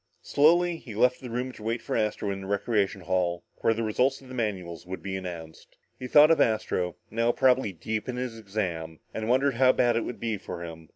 Slowly, he left the room to wait for Astro in the recreation hall where the results of the manuals would be announced. He thought of Astro, now probably deep in his exam, and wondered how bad it would be for him.